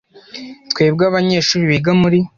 Twebwe abanyeshuri biga muri